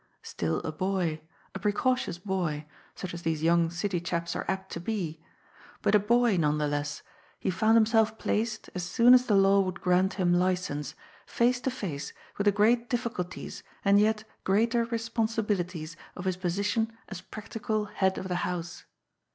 Still a boy, a precocious boy, such as these young city chaps are apt to be, but a boy, nonetheless, he found himself placed, as soon as the law would grant him license, face to face with the great diflS culties and yet greater responsibilities of his position as practical head of the house.